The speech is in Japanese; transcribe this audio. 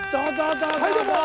はいどうもー！